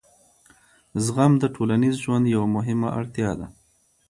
زغم د ټولنیز ژوند یوه مهمه اړتیا ده.